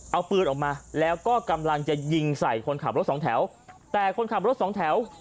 เอาปืนออกมาแล้วก็กำลังจะยิงใส่คนขับรถสองแถวแต่คนขับรถสองแถว